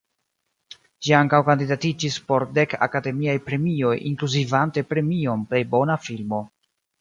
Ĝi ankaŭ kandidatiĝis por dek Akademiaj Premioj inkluzivante premion Plej Bona Filmo.